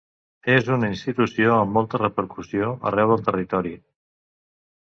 És una institució amb molta repercussió arreu del territori.